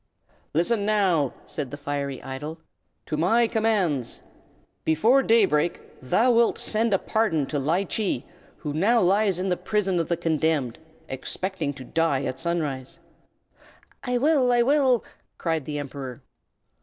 "Listen, now," said the Fiery Idol, "to my commands. Before day break thou wilt send a free pardon to Ly Chee, who now lies in the prison of the condemned, expecting to die at sunrise." "I will! I will!" cried the Emperor.